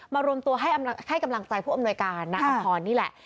มารวมตัวให้กำลังใจผู้อำนวยการอันทอนนี่แหละ